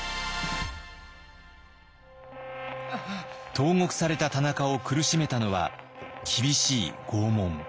投獄された田中を苦しめたのは厳しい拷問。